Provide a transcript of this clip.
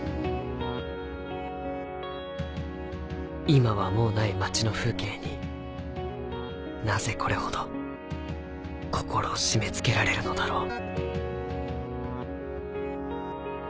今はもうない町の風景になぜこれほど心を締め付けられるのだろう。